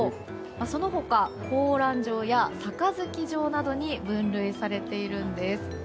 その他、広卵状や盃状などに分類されているんです。